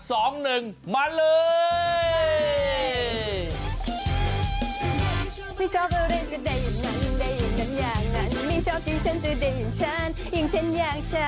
สนุกมากเลย